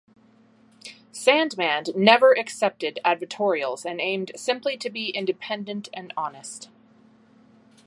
Sandman never accepted advertorials and aimed simply to be independent and honest.